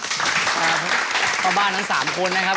พี่พ่อบ้านตั้งสามคนนะครับ